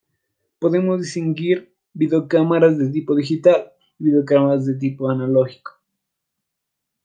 Podemos distinguir videocámaras de tipo digital y videocámaras de tipo analógico.